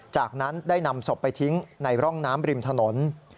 จากนั้นได้นำศพไปทิ้งในร่องน้ำริมถนน